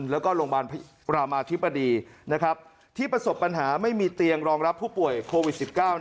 แล้วก็โรงพยาบาลรามาธิบดีที่ประสบปัญหาไม่มีเตียงรองรับผู้ป่วยโควิด๑๙